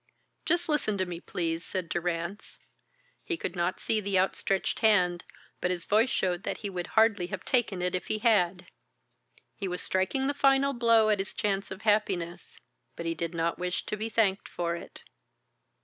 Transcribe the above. "Just listen to me, please," said Durrance. He could not see the outstretched hand, but his voice showed that he would hardly have taken it if he had. He was striking the final blow at his chance of happiness. But he did not wish to be thanked for it.